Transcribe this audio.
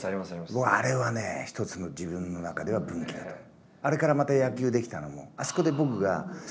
僕あれはね一つ自分の中では分岐だと思う。